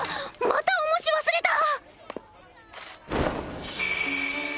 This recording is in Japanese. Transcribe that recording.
また重し忘れた！